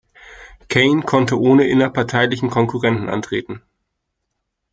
Kaine konnte ohne innerparteilichen Konkurrenten antreten.